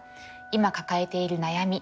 今抱えている悩み